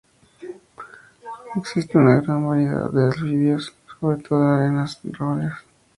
Existe una gran variedad de anfibios, sobre todo de ranas arbóreas.